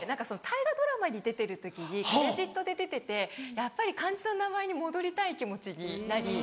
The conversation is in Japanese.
大河ドラマに出てる時にクレジットで出ててやっぱり漢字の名前に戻りたい気持ちになり。